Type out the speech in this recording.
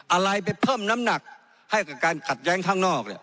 อะไรไปเพิ่มน้ำหนักให้กับการขัดแย้งข้างนอกเนี่ย